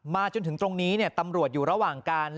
จนถึงตรงนี้ตำรวจอยู่ระหว่างการ